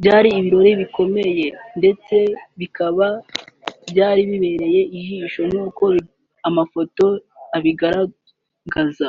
byari ibirori bikomeye ndetse bikaba byari bibereye ijisho nkuko n’amafoto abigaragaza